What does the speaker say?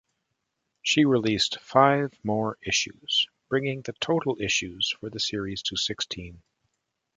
She released five more issues, bringing the total issues for the series to sixteen.